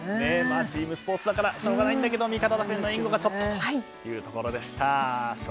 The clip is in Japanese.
チームスポーツだからしょうがないんだけど味方打線の援護がちょっとというところでした。